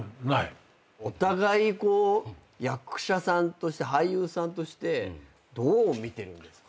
お互いこう役者さんとして俳優さんとしてどう見てるんですか？